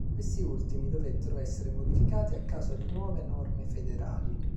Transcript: Questi ultimi, dovettero essere modificati a causa di nuove norme federali.